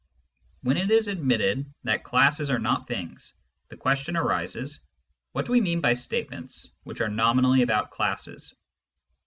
When it is admitted that classes are not things, the question arises : What do we mean by statements which are nominally about classes